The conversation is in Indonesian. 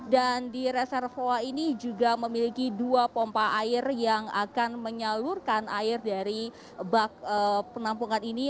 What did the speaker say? dan di reservoir ini juga memiliki dua pompa air yang akan menyalurkan air dari bak penampungan ini